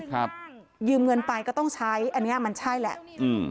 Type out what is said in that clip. ครับยืมเงินไปก็ต้องใช้อันเนี้ยมันใช่แหละอืม